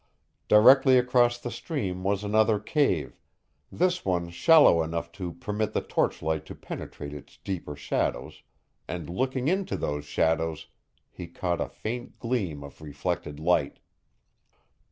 Directly across the stream was another cave, this one shallow enough to permit the torchlight to penetrate its deeper shadows, and looking into those shadows, he caught a faint gleam of reflected light.